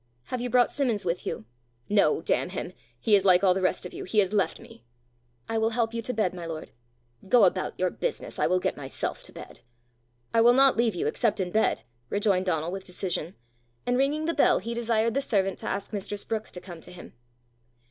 Have you brought Simmons with you?" "No, damn him! he is like all the rest of you: he has left me!" "I will help you to bed, my lord." "Go about your business. I will get myself to bed." "I will not leave you except in bed," rejoined Donal with decision; and ringing the bell, he desired the servant to ask mistress Brookes to come to him.